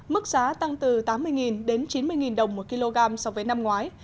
mức giá tăng từ tám mươi đến chín mươi đồng một kg so với năm ngoái